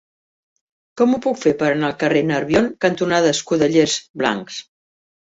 Com ho puc fer per anar al carrer Nerbion cantonada Escudellers Blancs?